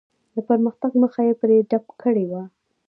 د پرمختګ مخه یې پرې ډپ کړې وه.